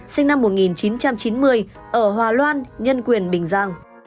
sinh năm một nghìn chín trăm chín mươi ở hòa loan nhân quyền bình giang